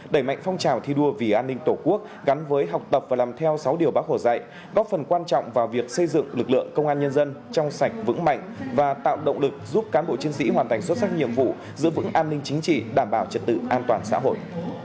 đẩy mạnh phong trào thi đua vì an ninh tổ quốc gắn với học tập và làm theo sáu điều bác hồ dạy góp phần quan trọng vào việc xây dựng lực lượng công an nhân dân trong sạch vững mạnh và tạo động lực giúp cán bộ chiến sĩ hoàn thành xuất sắc nhiệm vụ giữ vững an ninh chính trị đảm bảo trật tự an toàn xã hội